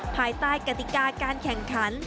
ภายใต้กติกาการแข่งขัน